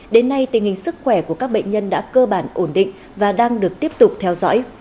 đến nay tình hình sức khỏe của các bệnh nhân đã cơ bản ổn định và đang được tiếp tục theo dõi